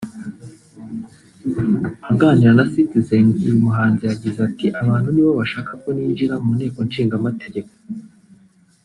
Aganira na Citizen uyu muhanzi yagize ati “Abantu nibo bashaka ko ninjira mu Nteko Ishingamategeko